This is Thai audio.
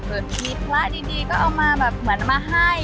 มีพระดีก็เอามาแบบเหมือนมาให้